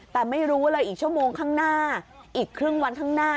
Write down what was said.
แต่ไม่รู้เลยอีกชั่วโมงข้างหน้าอีกครึ่งวันข้างหน้า